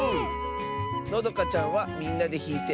のどかちゃんは「みんなでひいてあそべるね」